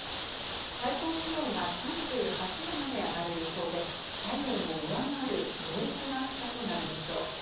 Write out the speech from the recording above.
最高気温は３８℃まで上がる予想で、体温を上回る猛烈な暑さとなるでしょう。